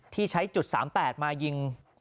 ที่ใช้จุด๓๘มายิง